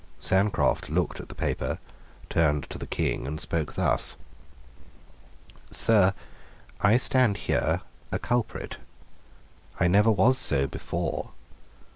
Sancroft looked at the paper, turned to the King, and spoke thus: "Sir, I stand here a culprit. I never was so before.